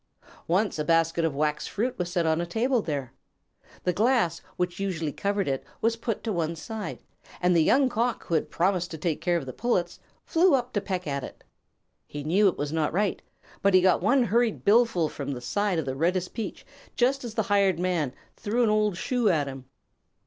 Once a basket of wax fruit was set on a table there. The glass which usually covered it was put to one side, and the Young Cock who had promised to care for the Pullets flew up to peck at it. He knew it was not right, but he got one hurried billful from the side of the reddest peach just as the Hired Man threw an old shoe at him.